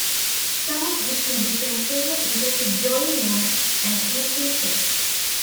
Some of which who became famous included Joey Yung and Ekin Cheng.